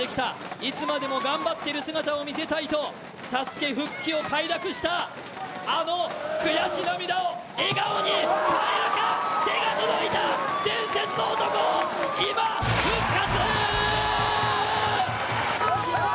いつまでも頑張っている菅田を見せたいとＳＡＳＵＫＥ復帰を快諾した、あの悔し涙を笑顔に変えれるか、手が届いた、伝説の男、今復活！！